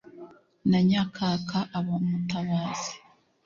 na nyankaka aba umutabazi